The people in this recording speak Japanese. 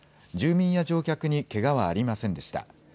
住民や乗客にけがはありませんでした。